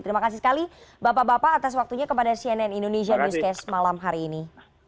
terima kasih sekali bapak bapak atas waktunya kepada cnn indonesia newscast malam hari ini